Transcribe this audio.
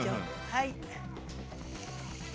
はい。